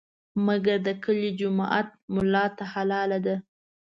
مګر د کلي جومات ملا ته حلاله ده.